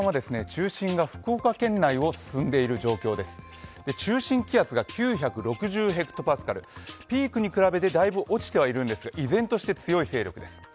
中心気圧が９６０ｈＰａ、ピークに比べてだいぶ落ちてはいるんですが依然として強い勢力です。